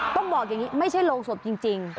ต้องบอกอย่างนี้ไม่ใช่โรงศพจริง